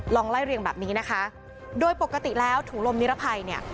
ไล่เรียงแบบนี้นะคะโดยปกติแล้วถุงลมนิรภัยเนี่ย